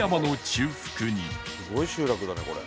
すごい集落だねこれ。